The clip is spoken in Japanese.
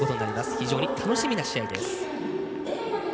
非常に楽しみな試合です。